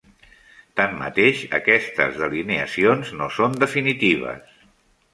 Tanmateix, aquestes delineacions no són definitives.